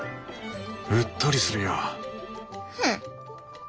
うっとりするよ。